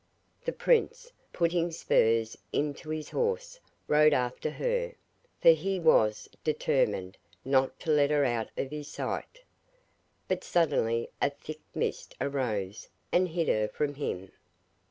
The prince, putting spurs into his horse, rode after her, for he was determined not to let her out of his sight. But suddenly a thick mist arose and hid her from him.